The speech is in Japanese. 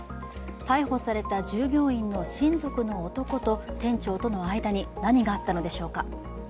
逮捕された従業員の親族の男と店長との間に何があったのでしょうか。